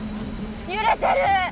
ゆれてる！